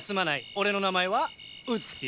俺の名前はウッディ。